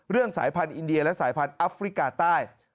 สายพันธุอินเดียและสายพันธุ์อัฟริกาใต้